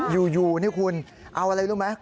อยู่นี่คุณเอาอะไรรู้ไหม